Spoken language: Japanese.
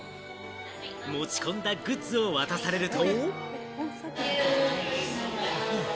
持ち込んだグッズを渡されると。